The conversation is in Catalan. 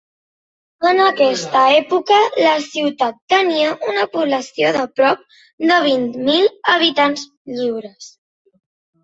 En aquesta època la ciutat tenia una població de prop de vint mil habitants lliures.